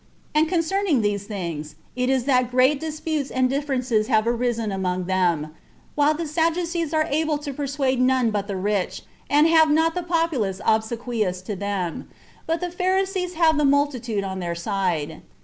And concerning these things it is that great disputes and differences have arisen among them, while the Sadducees are able to persuade none but the rich, and have not the populace obsequious to them, but the Pharisees have the multitude on their side.